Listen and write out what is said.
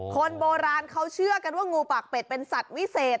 คนโบราณเขาเชื่อกันว่างูปากเป็ดเป็นสัตว์วิเศษ